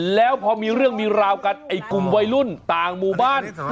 แล้วพอมีเรื่องมีราวกันไอ้กลุ่มวัยรุ่นต่างหมู่บ้าน